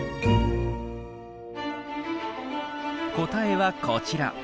答えはこちら。